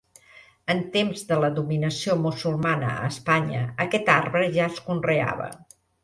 En temps de la dominació musulmana a Espanya, aquest arbre ja es conreava.